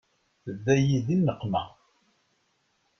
Tedda-yi di nneqma.